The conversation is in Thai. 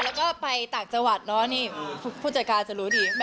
แล้วก็ไปต่างจังหวัดเนอะนี่ผู้จัดการจะรู้ดี